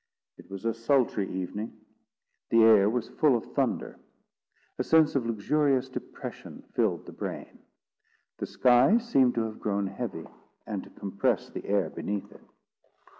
It was a sultry evening. The air was full of thunder. A sense of luxurious depression filled the brain. The sky seemed to have grown heavy, and to compress the air beneath it.